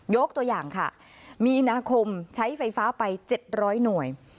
ยกตัวอย่างค่ะมีนาคมใช้ไฟฟ้าไป๗๐๐หน่วย